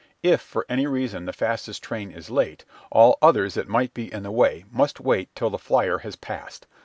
If, for any reason, the fastest train is late, all others that might be in the way must wait till the flyer has passed.